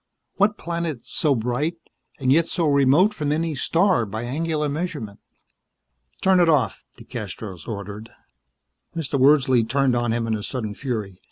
What planet so bright, and yet so remote from any star by angular measurement? "Turn it off," DeCastros ordered. Mr. Wordsley turned on him in a sudden fury.